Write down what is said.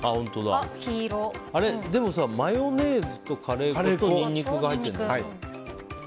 でもマヨネーズとカレー粉とニンニクが入ってるんだよね。